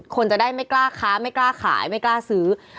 คนจะได้ไม่กล้าค้าไม่กล้าขายไม่กล้าซื้อ